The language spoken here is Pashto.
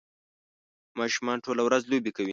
ماشومان ټوله ورځ لوبې کوي